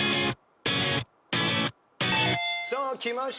さあきました